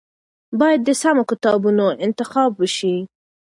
باید د سمو کتابونو انتخاب وشي.